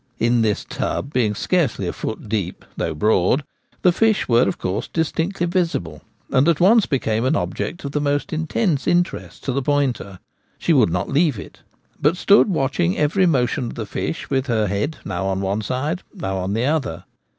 In this tub, being scarcely a foot deep 96 The Gamekeeper at Home. though broad, the fish were of course distinctly visible, and at once became an object of the most intense interest to the pointer. She would not leave it ; but stood watching every motion of the fish, with her head now on one side now on the other.